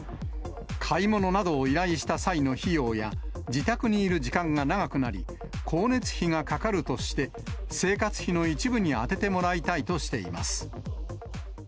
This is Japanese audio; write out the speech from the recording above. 買い物などを依頼した際の費用や、自宅にいる時間が長くなり、光熱費がかかるとして、生活費の一部に充ててもらいたいとしています。